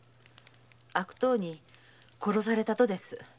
悪党に殺されたとです。